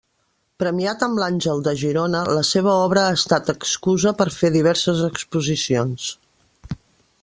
Premiat amb l'Àngel de Girona, la seva obra ha estat excusa per fer diverses exposicions.